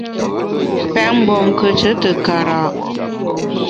Pèt mgbom nkùeshe te kara’ !